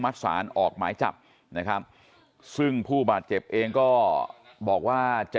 สารออกหมายจับนะครับซึ่งผู้บาดเจ็บเองก็บอกว่าจะ